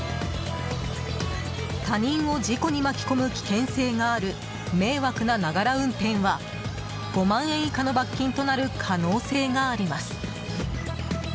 他人を事故に巻き込む危険性がある迷惑な、ながら運転は５万円以下の罰金となる可能性があります。